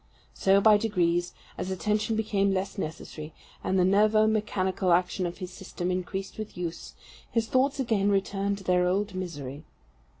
So by degrees, as attention became less necessary, and the nervo mechanical action of his system increased with use, his thoughts again returned to their old misery.